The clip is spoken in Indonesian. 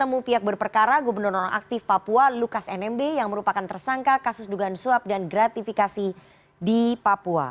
temu pihak berperkara gubernur orang aktif papua lukas nmb yang merupakan tersangka kasus dugaan suap dan gratifikasi di papua